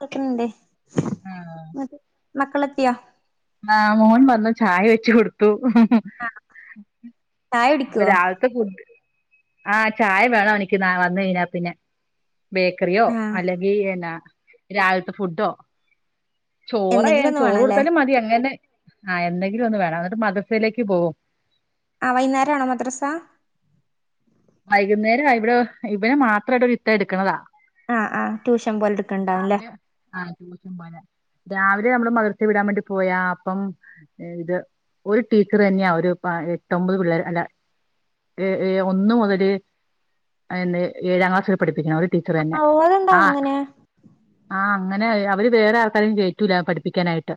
കേക്ക്ണ് ണ്ട് മ മക്കളെത്തിയോ ആ മോൻ വന്നു ചായ വെച്ച് കൊട്ത്തു ആ ആ അപ്പൊ രാവിൽത്തെ ഫുഡ് ആ ചായ വേണം അവനിക്ക് വന്നുകയിഞ്ഞ പിന്നെ ബേക്കറിയോ ആഹ് അല്ലെങ്കി എന്നാ രാവിൽത്തെ ഫുഡോ ചോറായാ എന്തെങ്കിലും ഒന്ന് ചോറ് വേണല്ലേ കൊട്ത്താലും മതി അങ്ങനെ ആഹ് എന്തെങ്കിലും ഒന്ന് വേണം എന്നിട്ട് മദ്രസയിലേക്ക് പോവും ആ വൈകുന്നേരം ആണോ മദ്രസ വൈകുന്നേരം ഇവിടെ ഇവന് മാത്രായിട്ടരുത്ത എടുക്ക്ണതാ ആ ആഹ് ട്യൂഷൻ പോലെ എടുക്ക്ണ്ടാവും ല്ലേ ആഹ് ട്യൂഷൻ പോലെ രാവിലെ നമ്മള് മദ്രസയിൽ വിടാൻ വേണ്ടി പോയാ അപ്പം ഇത് ഒരു ടീച്ചർ തന്നെയാ ഒരു പ എട്ടൊമ്പത് പിള്ളേർ അല്ല ഏ ഏ ഒന്നു മുതല് ഏഴാം ക്ലാസ്സ് വരെ പഠിപ്പിക്കണോല് ടീച്ചറന്നെ അതെന്താ അ അങ്ങനെ ആ അങ്ങനെ അവര് വേറെ ആൾക്കാരേം കേറ്റൂല്ല പഠിപ്പിക്കാനായിട്ട്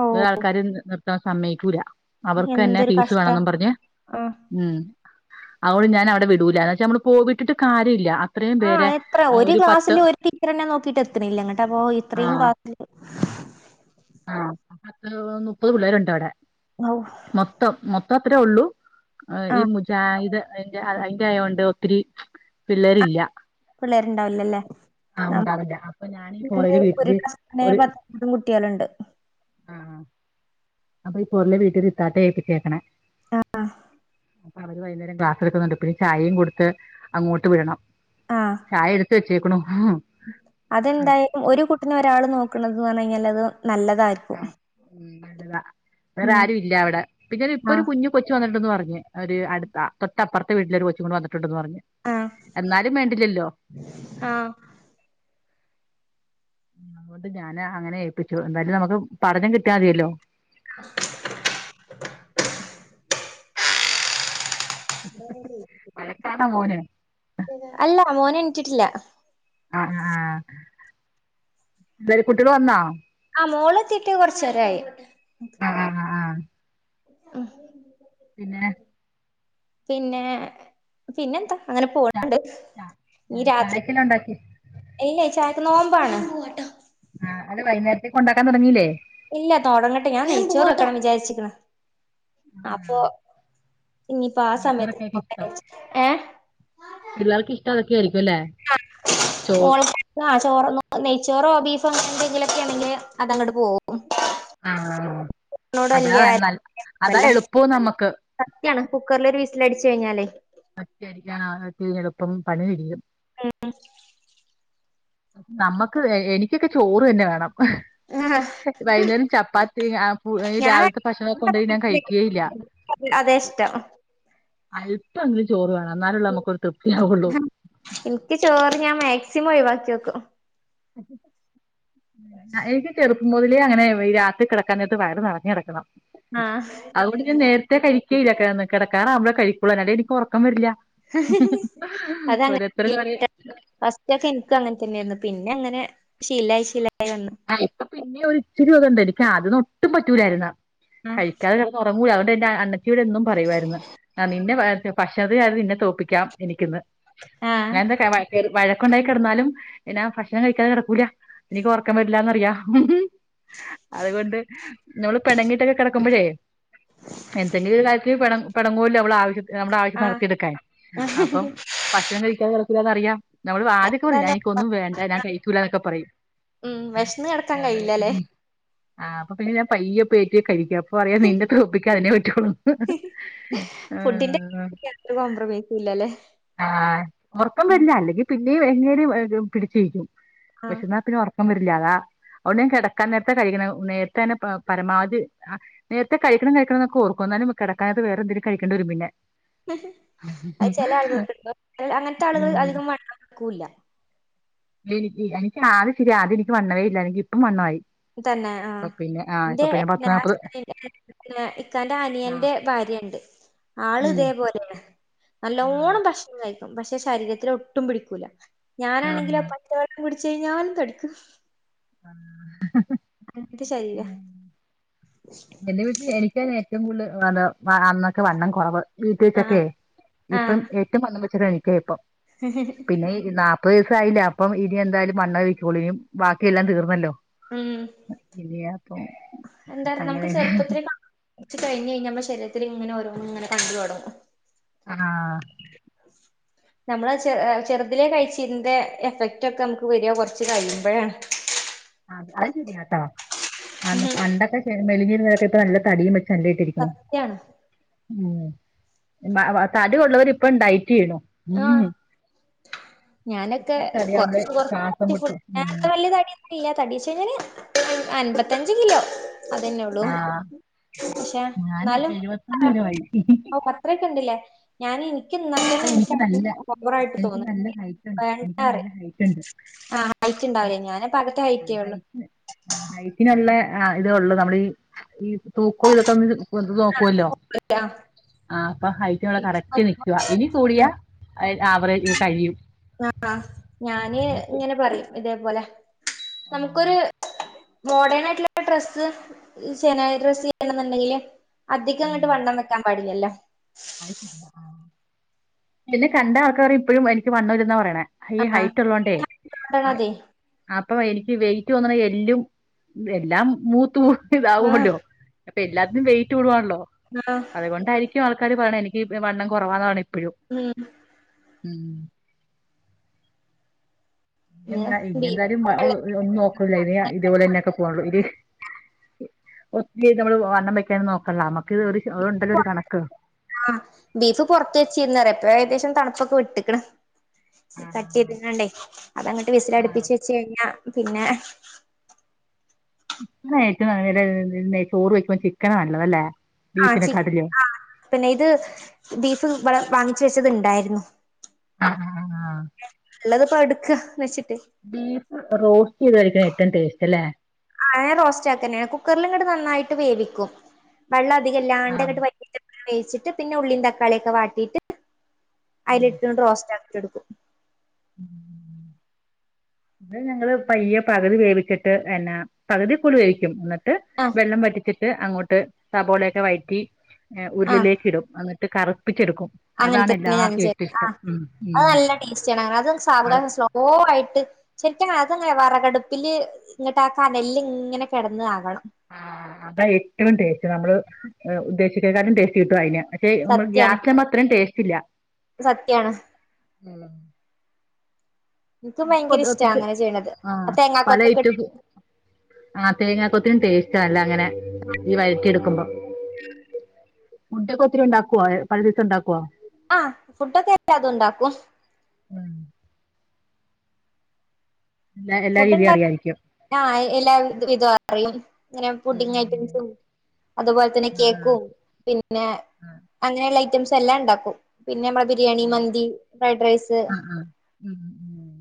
ഓ വേറെ ആൾക്കാർ നി സമ്മയ്ക്കൂല്ല അവർക്കന്നെ എന്തൊരു ഫീസ് കഷ്ട വേണെന്നും പറഞ്ഞ് ആഹ് ഉം അ ഓൾ ഞാൻ അവിടെ വിടൂല എന്ന് വെച്ചാ നമ്മൾ പോ വിട്ട്ട്ട്കാര്യല്ല അ ആ എത്ര ഒരു ക്ലാസ്സില് ഒരു ടീച്ചർന്നെ നോക്കീട്ട് എത്ത്ണ്ല്ല ഇങ്ങട്ടപ്പോ ഇത്രയും ക്ലാസ്സില് ആ പത്ത് മുപ്പത് പിള്ളേരുണ്ട് അവിടെ ഔ മൊത്തം മൊ ഇപ്പ അത്രേ ഒള്ളൂ ഈ ആഹ് മുജായിത് അയ്ന്റെ അയ്ന്റെ ആയോണ്ട് ഒത്തിരി പിള്ളേരില്ല പിള്ളേർണ്ടാവില്ലല്ലേ ആഹ് ഉണ്ടാവില്ല അപ്പൊ ഞാനീ നമ്മില് പോറേല് ഒരു വീട്ടില് [unintelligible] കുട്ടിയാളുണ്ട് ആ ആ അപ്പൊ ഈ പൊരുളെ വീട്ടില് ഇത്താട്ടെ ഏപ്പിച്ചേക്കണെ ആ അവര് വൈകുന്നേരം ക്ലാസ് എടുക്കുന്നുണ്ട് പിന്നെ ചായയും കൊടുത്ത് അങ്ങോട്ട് വിടണം. ആഹ് ചായ എടുത്ത് വെച്ച് അതെന്തായാലും ഒരു കുട്ടിനെ ഒരാള് നോക്ക്ണത് ന്ന് പർഞ്ഞ് കഴിഞ്ഞാലത് ആ വേറെ ഉം ആരും ഇല്ല അവിടെ പിന്നെ ഇപ്പൊ ഒരു ആഹ് കുഞ്ഞ് കൊച്ചു വന്നിട്ട്ണ്ട് ന്ന് പർ പർഞ്ഞ് ഒര് അടുത്ത അ തൊട്ടപ്പുറത്തെ വീട്ടിലെ ഒരു കൊച്ച് കൂടെ വന്ന്ട്ട് ണ്ടെന്ന് പറഞ്ഞു ആഹ് എന്നാലും വേണ്ടില്ലല്ലോ ആഹ് അതുകൊണ്ട് ഞാന് അങ്ങനെ ഏപ്പിച്ചു എന്തായാലും നമുക്ക് പഠനം കിട്ടിയാതിയല്ലോ [inaudible] വഴക്കാണോ മോന് [unintelligible] അല്ല മോന് എണീച്ചിട്ടില്ല. ആ ആ ആ എല്ലരു കുട്ടികൾ വന്നോ മോളെത്തീട്ട് കൊർച്ചേരായി ആഹ് ആഹ് ആഹ് ഉം പിന്നെ പിന്നെ പിന്നെന്താ അങ്ങനെ ച പോണണ്ട് ച രാത്രി ചായക്കെല്ലാം ഉണ്ടാക്കി ഇല്ലേ ച നോമ്പാണ് ആ അത് വൈകുന്നേരത്തേ കൊണ്ടാക്കാൻ തുടങ്ങിയില്ലേ ഇല്ല തൊടങ്ങട്ടെ ഞാൻ നെയിച്ചോർ വെക്കണം വിചാരിച്ചിക്കണ് അപ്പൊ ആഹ് ഇനിയിപ്പോ ആ സമയത്ത് നെയ്ച്ചോറൊക്കെ ആയിരിക്കും നോക്ക ഇഷ്ടം വിചാരിച്ച് ഏ പിള്ളേർക്ക് ഇഷ്ടം അതൊക്കെ ആയിരിക്കും അല്ലേ ചോറ് മോൾകാ ചോറോ നെയ്ചോറോ ബീഫോ അങ്ങനെ എന്തെങ്കിലൊക്കെ ആണെങ്കി അത് അങ്ങോട്ട് പോകും ആ ആ നോടല്യ എളുപ്പവും നമ്മക്ക് സത്യാണ് കുക്കറിലൊരു വിസി അടിച്ച് കഴിഞ്ഞാലേ നിസ്കരിക്കാനാണ് [unintelligible] എളുപ്പം പണി കഴിയും ഉം നമ്മക്ക് എനിക്കൊക്കെ ചോറന്നെ വേണം ആഹ് വൈന്നേരം ചപ്പാത്തി ഞാൻ രാവിലത്തെ ഭക്ഷണൊകൊണ്ടോയി ഞാൻ കഴിക്കേയില്ല അതെ ഇഷ്ടം അല്പം എങ്കിലും ചോറ് വേണം എന്നാലല്ലേ നമുക്കൊരു തൃപ്തിയാവുള്ളൂ സിമോയ് വക്യോക്ക. എക്ക് ചറപ്പ മുതലേ അങ്ങനെ ഈ രാത്രി കിടക്കാനിട്ട് വയറ് നർഞാടക്കണം. ആഹ് അതുകൊണ്ട് ഞാ നേരത്തെ കഴിക്കല്ല കിടക്കാറാവുമ്പോ കഴിക്കുള്ളൂ. എന്നാലേ എനിക്ക് ഉറക്കം വരില്ല. [unintelligible] ഫസ്റ്റ്ക്കെ എനിക്ക അങ്ങനെ തന്നെയായിരുന്നു പിന്നെ അങ്ങനെ ശീല ശില ആ ഇപ്പ പിന്നെ ഒരു ഇച്ചിരി [unintelligible] എനിക്ക് ആദ്യയൊന്നും ഒട്ടും പറ്റൂലാരുന്ന് ആഹ് കഴിക്കാതെ കിടന്നുറങ്ങൂല്ല അതുകൊണ്ട് എന്റെ അന്നച്ചിയൂട് എന്നും പറയുരുന്നു ആ നിന്റെ പക്ഷത് അത് നിന്നെ തോൽപ്പിക്കാം എനിക്കിന്ന് ആഹ് ഞാൻ [unintelligible] എന്ത കേറി വഴക്കുണ്ടായി കിടന്നാലും പിന്നാ ഭക്ഷണം കഴിക്കാൻ കിടക്കൂല എനിക്ക് ഉറക്കം വരില്ലാന്നറിയാം അതുകൊണ്ട് നമ്മള് പിണങ്ങിട്ടൊക്കെ കിടക്കുമ്പോഴേ എന്തെങ്കിലും ഒരു കാര്യത്തി പ പിണങ്ങുല്ല അവ ആവശ്യ നമ്മുടെ ആവിശ്യം ആഹ് നടത്തിയെടുക്കാന് അപ്പം ഭക്ഷണം കഴിക്കാൻ [unintelligible] അറിയാ നമ്മള് ആദ്യക്കെ പറയും ഞാന് എന്തായാലും ഇൻക്കൊന്നുംവേണ്ട ഞാൻ കയ്ക്കൂല്ല ന്നൊക്കെ പറയും ഉം വെശന്ന് കെടക്കാൻ അതെ കഴിയില്ലല്ലേ ആ അപ്പൊ പിന്നെ ഞാൻ പയ്യെ [unintelligible] കഴിക്കും പറയാ നീന്റെ ത ഒപ്പിക്ക അതിനെ പറ്റോളു ഫുഡിന്റെ ആഹ യാതൊരു കോംപ്രമൈസും ഇല്ലല്ലേ ആ ഒർക്കം ഉം വരില്ല അല്ലെങ്കി പി [unintelligible] പിടിച്ചിരിക്കും ആഹ് വെഷന്നാ പിന്നെ ഒറക്കം വെര്ല്ല അതാ അവിട കിടക്കാൻ നേരത്തെ കഴിക്കണം നേരത്തെ തന്നെ പരമാവധി നേരത്തെ കഴിക്കണം കഴിക്കണക്കെ ഓർക്കും എന്നാലും കിടക്കാന വറെ എന്തങ്കും കഴിക്കേണ്ടി വരും പിന്നെ അത് ഉം ചില ആളുകൾക്കു അങ്ങനത്തെ ആളുകൾ അധികം വണ്ണം വെക്കുല നി എനിക്ക് ആദ്യം ശെരി ആദ്യം എനിക്ക് വണ്ണവില്ലായിരുന്നു എനിക്ക് ഇപ്പം വണ്ണായി തന്നെ ആഹ ഇന്റെ പത്ത് നാപ്പത് [unintelligible] ഇക്കാന്റ ആ, അനിയന്റെ ഭാര്യണ്ട്. ആള് ഉം ഇതേപോലെന്നെ ആഹ് നല്ലോണം ഭക്ഷണം കഴികു പക്ഷെ ശരീരത്തിൽ ഒട്ടും പിടിക്കൂല. ഞാനാണെങ്കിൽ ആഹ് പച്ച വെള്ളം കുടി ചെയ്ഞ്ഞാലും തടിക്കും. ആ ഹ് ഹ് അങ്ങത്തെ ശരിരാ എന്റെ വീട്ടിൽ എനിക്ക ഏറ്റവും കൂടുതൽ അന്നൊക്കെ വണ്ണം കുറവ് വീട്ട ആഹ് വെച്ചക്കെ ഇപ്പം ആഹ് ഏറ്റവും വന്ന വെച്ചിട്ട എനിക്ക ഇപ്പം പിന്നൊ പത്ത് ദിവസായില്ല അപ്പ ഇനി എന്തായാലും മണേ കഴിക്കുകളൂനി ബാക്കിയെല്ലാം തീർന്നല്ലോ ഉം അല്ല അപ്പൊ ന ചെറുപ്പത്തിൽ കാച്ച് കഴി കഴിഞ്ഞമ്മ ശരീരത്തി ഇങ്ങെ ഓരോും ഇങ്ങെ കണ്ടു തുടങ്ങും ആഹ [inaudible] നമ്മള് ചെ ചെറുതിലെ കഴിച്ചിതിന്റെ എഫക്റ്റ് ഒക്കെ നമുക്ക് വരിക കുറച്ച് കഴിയുമ്പോഴാണ് അത് ശരിയാട്ടോ അ അണ്ടൊക്കെ മെലിഞ്ഞിരുന്നൊക്കെ ഇപ്പ നല്ല തടിയും ചല്ലിയിട്ടിരിക്കണ സത്യാണ് ഉ തടി ഉള്ളവർ ഇപ്പ ഉണ്ടായി ണോ ഉ ആഹ് ഞാനൊക്കെ കൊറച്ച കൊറ ശ്വാസം മുട്ടും ഉം. വലിയ തടൊന്നും തടച്ച് കഞ്ഞ അൻമ്പത്തഞ്ച് കിലോ അതെന്നെ ഉള്ളൂ ആ പക്ഷാ ഞാൻ എന്നാലും എഴുപത്തൊന്ന് കിലോ ആയി പത്രൊക്കെ ഇണ്ടില്ലേ ഞാൻ എനിക്ക് ന അപ്പൊ എന എനിക്ക് നല്ല ഓവറായിട്ട് എനിക്ക് തോന്ന നല്ല ഹൈറ്റ് ഉണ്ട് എനിക്ക് വേണ്ട നല്ല ഹൈറ്റ് ഉണ്ട് [unintelligible] ആണ്ടാവില്ലേ ഞ അത ആയിറ്റയ ഉള്ളൂ ആ ഹൈറ്റിനുള്ള ആ ഇത ഉള്ളൂ നമ്മൾ ഈ തൂക്കോ ഇതൊക്കെ എ നോക്കുവല്ലോ ആ, ആ അപ്പൊ ഹൈറ്റ് ഇവിടെ കറക്റ്റ് നി ഇനി കൂടിയ ആവറേജ് കഴിയും ആഹ് ഞാന് ഇങ്ങനെ പറയും ഇതേപോലെ നമുക്കൊരു മോഡേൺ ആയിട്ടുള്ള ഡ്രസ്സ് സേന ഡ്രസ്സ് ചെയ്യണെന്നുണ്ടെങ്കില് അധികം അങ്ങോട്ട് വണ്ടണം നിൽക്കാൻ പാടില്ലല്ലോ പിന്നെ കണ്ട ആൾക്കർ ഇപ്പഴും എനിക്ക് വണ്ണ വരുന്ന പറയണ ഹ ആ ഹൈറ്റ് ഉള്ളോണ്ടേ അതുകൊണ്ടാണ്. അതെ അപ്പ എനിക്ക് വെയിറ്റ് വന്നണെ എല്ലും എല്ലാം മൂത്ത മൂ ആ ഇതാവല്ലോ ഇപ്പൊ എല്ലാത്തിനും വെയിറ്റ് കടുവാണല്ലോ ആ അതുകൊണ്ടായിരിക്കും ആൾക്കാര് പറയണം എനിക്ക് വണ്ണം കുറവാന്നാണ് ഇപ്പോഴും ഉം ഉം പിന്നെ എന്ത ഇനി എന്തായും ബീഫ് ഒന്നും നോക്കൂ ഇല്ല ഇതേപോലെന്നെക്കെ വെള്ളത്തിൽ പോള്ളൂ ഇല് ഒത്തിരി നമ്മള് വണ്ണം വെക്കന്ന് നോക്കണ്ട നമ്മക്ക് ഫ ആ ബീഫ് പൊറത്ത് വെച്ചിരുന്നതാ എപ്പൊ ഏകശം തണുപ്പ- ഇപ്പൊക്കെ വിട്ടക്കണം കട്ട് ചെയ്ത്ണ്ടേ അതങ്ങോട്ട് വിസില അടുപ്പി വെച് കഴിഞ്ഞ- പിന്നെ ചിക്കനായിട്ട് ചോറ് വെക്കുമ്പ ചിക്കനാ നല്ലത് അല്ലേ ആ ആ പിന്നെ ഇത് ബീഫ് വാങ്ങിച്ച വെച്ചത് ഇണ്ടായിരുന്നു ആഹ ആഹ നശി - ബീഫ് റോസ്റ്റ് ചെയ്ത കഴിക്കണ ഏറ്റവും ടേസ്റ്റ് അല്ലേ ആ ഞാൻ റോസ്റ്റ് ആക്ക കുക്കറിലും ഇങ്ങട്ട നന്നായിട്ട് വേവിക്കും വെള്ളം ആ, അധികംല്ലാണ്ടങ്ങോട്ട് വ വേിച്ചിട്ട് പിന്നെ ഉള്ളീൻ തക്കാളിയൊക്കെ വാട്ടിട്ട്- അതില ഇട്ടൊണ്ട് റോസ്റ്റ് ആക്കിട്ട എടുക്കും [inaudible] അത് ഞങ്ങള് പയ്യെ പകുതി വേവിച്ചിട്ട് എന്നെപകുതിൽക്കൂടി വേവിക്കും എന്ന്- ആഹ് വെള്ളം വറ്റിച്ചിട്ട് അങ്ങോട്ട് സവോളൊക്കെ വയറ്റി ആഹ് ഉരുളിലേക്ക് ഇടും അ്- അങ്ങനെ തന്നെ ഞാൻ ഏറ്റവും ഇഷ്ടം ഉം അത് ഉം നല്ല ടേസ്റ്റാണ്നെ അത് അത സാവധാനം സ്ലോ ശരിക്ക അതങ്ങനെ വിറകടുപ്പില് ഇങ്ങട്ട ആ കനല് ഇങ്ങനെ കിടന്നതകണം ആ അതാ ഏറ്റവും ടേസ്റ്റ് നമ്മള് ഉദ്ദേശിക്കേകാട്ടിലും ടേസ്റ്റ് കിട്ടും അതിന് പക്ഷെ നമ്മൾ സത്യാണ് ഗ്യാസിലകുമ്പോ അത്രയും ടേസ്റ്റ് ഇല്ല സത്യാണ് എനിക്കും മുട്ട ഭയങ്കര ഇഷ്ടാ കൊത്തിട്ട് അങ്ങനെ ചെയ്യണത് ആ പല തേങ്ങാക്കൊത്തൊക്കെ ഇട്ടിട്ട് ആ തേങ്ങ അപ്പത്തിനും ടേസ്റ്റ്ണല്ല അങ്ങനെ ഈ വഴറ്റി എടുക്കുമ്പോൾ മുട്ടയൊക്കെ ഒത്തിരി ഉണ്ടാക്കുവോ പല ദിവസം ഉണ്ടാക്കവോ ആഹ ഫുഡൊക്കെ അല്ലതെ ഉണ്ടാക്കും ഉം എല്ലാ എല്ലാ രീതിയും അറിയായിരിക്കും ആഹ എല്ലാ ഇത അറിയും ഇങ്ങനെ ഉം പുഡിങ് ഐറ്റംസും അതുപോലെ തന്നെ ഉം ആഹ് കേക്കും പിന്നെ ആഹ് അങ്ങനെയുള്ള ഐറ്റംസ് എല്ലാം ഉണ്ടാക്കും പിന്നെ നമ്മളെ ബിരിയാണി ഉം മന്തി ഫ്രൈഡ് റൈസ് ആഹ് ആഹ് ഉം ഉം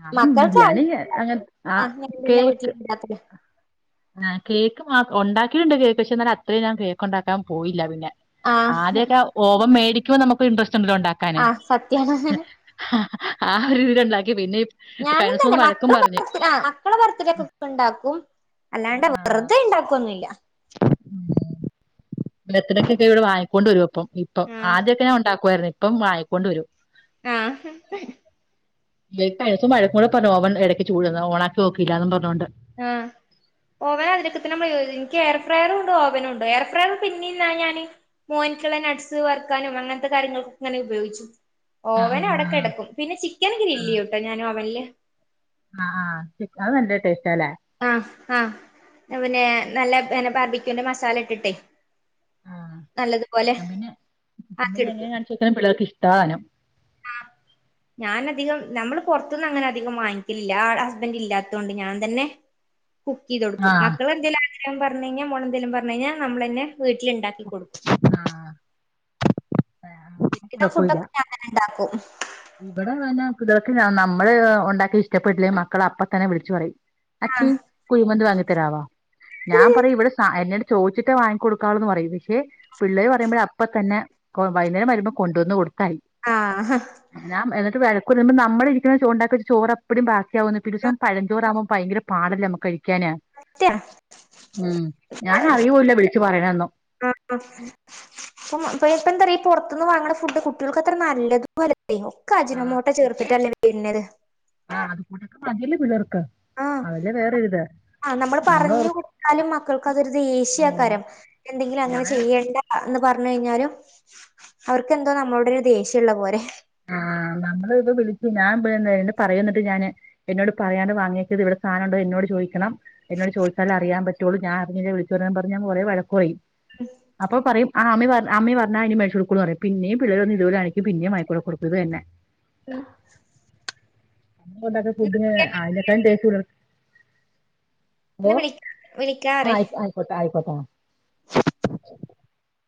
ഞാനും മക്കൾക്ക് ബിരിയാണി അങ്ങനെ ആ ആവശ്യത്തിലധികം ആഹ് ഞാൻ തന്നെ കേക്ക് വീട്ടിലുണ്ടാക്കല് ആ കേക്ക് മാ ഉണ്ടാക്കി കേക്ക പക്ഷ എന്നാൽ അത്രയും ഞൻ കേക്കണ്ടാക്കാൻ പോയില്ല പിന്നെ ആഹ് ആദ്യൊക്കെ ഓവൻ മേടി- എനക്ക് ഇൻട്രസ്റ്റ് ഉണ്ടാക്കാന് ആഹ് സത്യാണ് ആ ഒരു ഇതിൽ ഉണ്ടാക്കി പിന്നെ- ഞാന കഴിഞ്ഞ ദിവസം തന്നെ ഒന്ന് വഴക്കും മക്കള പറഞ്ഞ് മക്കളെ ബർത്ത്ഡക്കെ ഒക്കെ ഉണ്ടാക്കും അല്ലാണ്ട് വെറുതെ ഉണ്ടാക്കൊന്നുമല്ല ബർത്ത്ഡേക്ക് ഒക്കെ ഇവിടെ വാങ്ങിക്കൊണ്ട വരും അപ്പം. ഇപ്പം ആഹ് ആദ്യക്കെ ഞാൻ ഉണ്ടാക്കുവായിന്നു ഇപ്പം വാങ്ങിക്കൊണ്ടു വരും ആഹ പൈസം [unintelligible] വഴക്ക് കൂടി പറഞ്ഞു ഓവൻ ഇടക്ക് ചൂടുന്ന് ഓണാക്കി നോക്കയില്ലന്ന് പറഞ്ഞോൊണ്ട് ആഹ ഓവന അതിനൊക്കെ പ്രയജ എനിക്ക് എയർ ഫ്രയറും ഉണ്ട് ഓവനും ഉണ്ട് എയർ ഫ്രയർ പിന്നെ ഞാന് മോൻകിള നട്ട്സ് വറുക്കാനും അങ്ങനത്തെ കാര്യങ്ങൾക്കെ ഇങ്ങനെ ഉപയോഗിച്ചു ആഹ് ഓവന അടക്കെടക്കും പിന്നെ ചിക്കൻ ഗ്രില്ലി കേട്ടോ ഞാനും ഓവനില് ആഹ ആഹ് ച അതല്ലേ ടേസ്റ്റ് ആഹ് ആഹ് പിന്നെ നല്ല പിന്നെ ബർദിക്കണ്ട് മസാല ഇട്ടിട്ടെ ആന്നെന്നെ എങ്ങെയെ ആക്കിയെടുക്കും കാണിച്ചോക്ക പിള്ളേർക്ക് ഇഷ്ട- ദാനം ഞാൻ അധികം നമ്മള് പുറത്തന്നും അങ്ങനെ അധികം വാങ്ങിക്കലില്ല ആ ഹസ്ബൻറ് ഇല്ലാത്ത കൊണ്ട് ഞാൻ തന്നെ- [unintelligible] കുക്ക് ചെയ്ത കൊടുും ആഹ് മക്കൾെന്തെലും ആഗ്രഹം പറഞ്ഞ കഴിഞ്ഞാ മോളെന്തേലും പറഞ്ഞു കഴഞ്ഞാൽ നമ്മ തന്നെ വീട്ടിലണ്ടാക്ക കു ആഹ് എും ഫുഡ ഒക്കെ ഞങ്ങനെ ഉണ്ടാക്കും ഇവിടെന്ന ഇക്ക് നമ്മള് ഉണ്ടാക്കി ഇഷ്ടപ്പെട്ടില്ലേ മക്കളെ അപ്പ തന്നെ വിളിച്ചു പറയും അച്ചി കുഴ്മന്ത് വാങ്ങിത്തരാവാ ഞാൻ പറയും ഇവിടെ സ എന്നെടുത്ത് ചോദിച്ചിട്ട് വാങ്ങിക്കടുക്കുകുന്ന് പറയും പേ പിള്ളേെ പറയുമ്പോഴ ഇപ്പൊ തന്നെ വൈകുന്നരംരുമ്പോ കൊുവന്ന് കൊടുക്ക ആഹ ഞാ എന്നിട്ട് വിലക്ക നമ്മള ഇരിക്കുന്ന ചണ്ടാക്കി ഒരു ചോറ് എപ്പടും ബാക്കിയാവുന്ന പിന്നെ ദസം പഴചോറാവുമ്പോ ഭയങ്കര പാല്ല നമു കഴിക്കും ിക്കാന ഉ ഞൻ അറവൂല്ല വിളിച്ചു പറയണു ആ അപ്പം ഇ ഇപ്പ എന്താ പറയാഈ പുൊറത്തുന്ന് വാങ്ങണ ഫുഡ് കുട്ടികൾക്ക് അത്ര നല്ലതുംല്ല അ ഒക്കെ ആ അജിനമ്മോട്ട പക്ഷെ ചേർത്തിട്ടല്ലേ വരത് അതില് പിലർക്ക അതില് വേറെൊരിതാ ആഹ നമ്മള് പറഞ്ഞു കൊടുത്താലും മക്കൾക്ക് അതൊരു ഉം ദേഷ്യക്കാരം എന്തെങ്കിലും അങ്ങനെ ഞാൻ ചെയ്യേണ്ട പറഞ്ഞ കഴിഞ്ഞാലും അവർക്ക്െന്തോ നമ്മളുടെ ഒരു ദേഷ്യംമുള്ള പോലെ ആഹ നമ്മള ഇപ്പ വിളിച്ചു ഞാൻന്ത പറയന്നിട്ട് ഞാൻ എന്നോട് പറയാണ്ട് വാങ്ങിയക്കത് ഇവിടെ സാധംുണ്ട്ോ എന്നോട് ചോദിക്കണം എന്നോട് ചോദിച്ചാല അറിയൻ പറ്റുള്ളൂ ഞാൻ അറിഞ്ഞില്ലേ വിളിച്ച പറഞ്ഞ കുറെ വഴ കുറയും അപ്പൊ പറയും ആ പറ ആമ്മയും പറഞ്ഞാ അതി മനഷ കൊടുക്കൂന്ന് പറയും പിന്നേ പിള്ളേ ഒന്ന ഇതുപലാണും പിന്നേ [unintelligible] [unintelligible] [unintelligible] ഫുഡിന് അയിനേക്കാൾ ടെസ്റ്റ് ന്നാ മോ വിളിക്കാ ആഹ് വിളിക്കാറെ ആയിക്ക ആയിക്കോട്ടാ ആയിക്കോട്ടാ